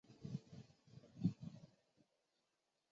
拟全缘比赖藓为锦藓科比赖藓属下的一个种。